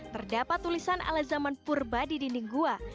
terdapat tulisan ala zaman purba di dinding gua